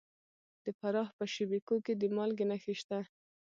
د فراه په شیب کوه کې د مالګې نښې شته.